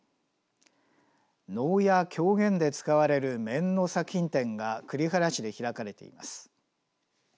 能や狂言で使われる面の作品展が栗原市で開かれています。